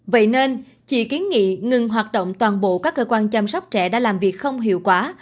vậy nên chị kiến nghị ngừng hoạt động toàn bộ các cơ quan chăm sóc trẻ đã làm việc không hiệu quả